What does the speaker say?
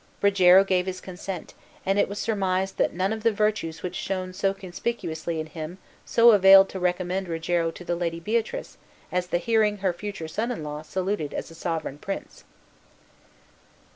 Rogero gave his consent, and it was surmised that none of the virtues which shone so conspicuously in him so availed to recommend Rogero to the Lady Beatrice as the hearing her future son in law saluted as a sovereign prince.